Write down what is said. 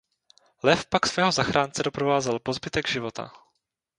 Lev pak svého zachránce doprovázel po zbytek života.